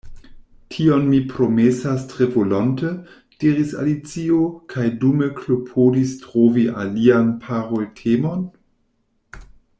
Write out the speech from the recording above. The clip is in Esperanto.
“Tion mi promesas tre volonte,” diris Alicio, kaj dume klopodis trovi alian paroltemon.